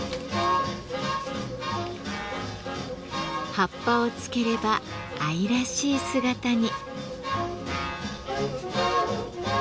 葉っぱをつければ愛らしい姿に。